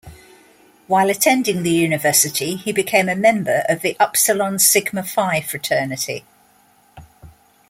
While attending the university he became a member of the Upsilon Sigma Phi fraternity.